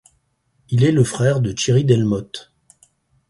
Il est le frère de Thierry Delmotte.